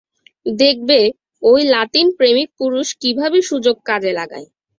দেখবে ঐ লাতিন প্রেমিকপুরুষ কীভাবে সুযোগ কাজে লাগায়?